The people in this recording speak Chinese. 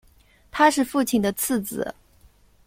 他是父亲的次子。